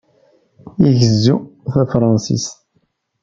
Igezzu tafṛansist.